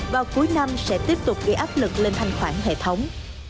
và cuối năm sẽ tiếp tục gây áp lực lên thanh khoản hệ thống